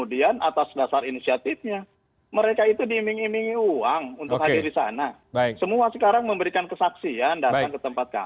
daripada memfokuskan pada adanya